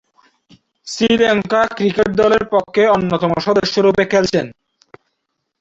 Sri Lanka cricket দলের পক্ষে অন্যতম সদস্যরূপে খেলছেন।